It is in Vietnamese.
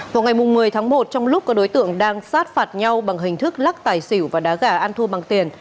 vào ngày một mươi tháng một trong lúc các đối tượng đang sát phạt nhau bằng hình thức lắc tài xỉu và đá gà ăn thua bằng tiền